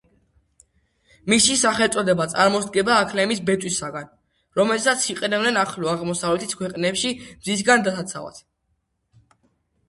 მისი სახელწოდება წარმოსდგება აქლემის ბეწვისაგან, რომელსაც იყენებდნენ ახლო აღმოსავლეთის ქვეყნებში მზისგან დასაცავად.